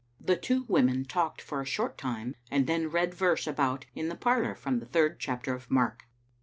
The two women talked for a short time, and then read verse about in the parlor from the third chapter of Mark.